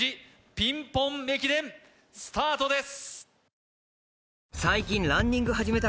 ピンポン駅伝スタートです